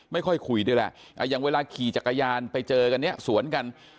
ไม่ค่อยคุยด้วยแหละอย่างเวลาขี่จักรยานไปเจอกันเนี่ยสวนกัน